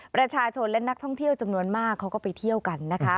ประชาชนและนักท่องเที่ยวจำนวนมากเขาก็ไปเที่ยวกันนะคะ